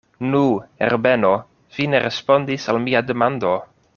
Nu, Herbeno, vi ne respondis al mia demando?